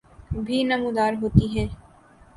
بھی نمودار ہوتی ہیں